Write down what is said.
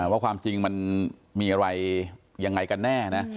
ว่าความจริงมันมีอะไรยังไงกันแน่นะ